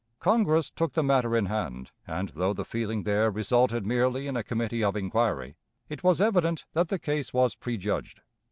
Congress took the matter in hand, and, though the feeling there resulted merely in a committee of inquiry, it was evident that the case was prejudged.